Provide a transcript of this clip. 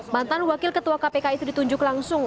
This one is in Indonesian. mantan wakil ketua kpk itu ditunjuk langsung